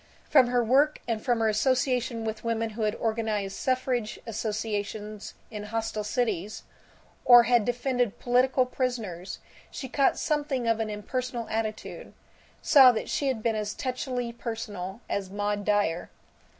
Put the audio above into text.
From her work and from her association with women who had organized suffrage associations in hostile cities, or had defended political prisoners, she caught something of an impersonal attitude; saw that she had been as touchily personal as Maud Dyer.